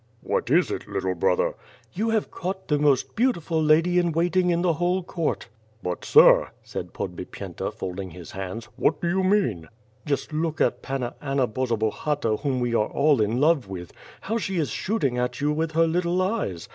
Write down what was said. "What is it? little brother." "You have caught the most beautiful lady in waiting in the whole court." "But, Sir," said Podbipyenta, folding his hands; "what do you mean?" "Just look at Panna Anna Borzobahata whom we are all in love with. How she is shooting at you with her little eyes!